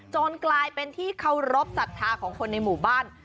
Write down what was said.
กลายเป็นที่เคารพสัทธาของคนในหมู่บ้าน